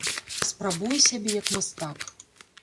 Спрабуе сябе як мастак.